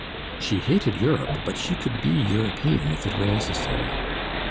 She hated Europe, but she could be European if it were necessary.